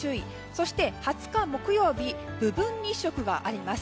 そして、２０日木曜日部分日食があります。